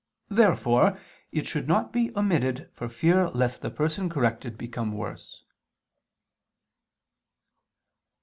Therefore it should not be omitted for fear lest the person corrected become worse.